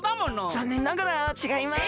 ざんねんながらちがいます。